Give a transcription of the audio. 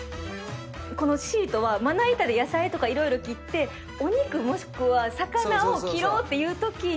このシートはまな板で野菜とか色々切ってお肉もしくは魚を切ろうっていうときに。